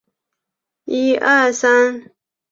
以下剧集按照首播顺序排列。